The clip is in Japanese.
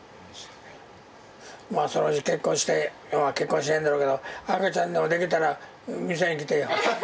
まあそのうち結婚して結婚しないんだろうけど赤ちゃんでもできたら見せに来てよ。